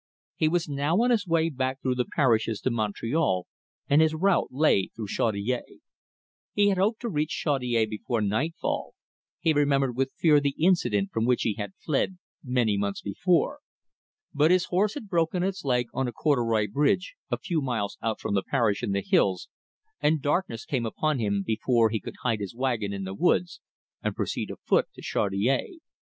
He was now on his way back through the parishes to Montreal, and his route lay through Chaudiere. He had hoped to reach Chaudiere before nightfall he remembered with fear the incident from which he had fled many months before; but his horse had broken its leg on a corduroy bridge, a few miles out from the parish in the hills, and darkness came upon him before he could hide his wagon in the woods and proceed afoot to Chaudiere.